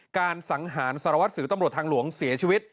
สังหารสารวัสสิวตำรวจทางหลวงเสียชีวิต